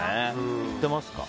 行ってますか？